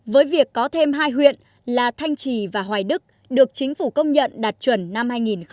với việc có thêm hai huyện là thanh trì và hoài đức được chính phủ công nhận đạt chuẩn năm hai nghìn một mươi bảy